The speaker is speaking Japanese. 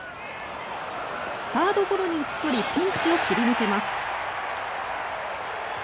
サードゴロに打ち取りピンチを切り抜けます。